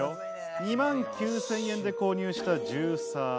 ２万９０００円で購入したジューサー。